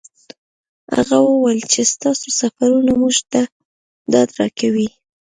هغه وویل چې ستاسو سفرونه موږ ته ډاډ راکوي.